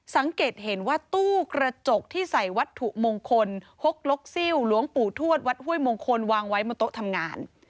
สังเกตเห็นว่าตู้กระจกที่ใส่วัตถุมงคลฮกลกซิลหลวงปู่ทวดวัดห้วยมงคลวางไว้บนโต๊ะทำงาน